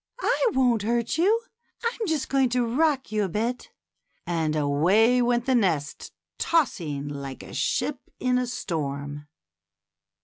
I won't hurt you; I'm just going to rock you a bit;" and away went the nest, tossing like a ship in a storm.